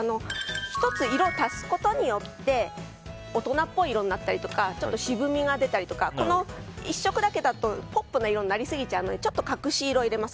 １つ、色を足すことによって大人っぽい色になったりとか渋みが出たりとか１色だけだとポップな色になりすぎちゃうのでちょっと隠し色を入れます。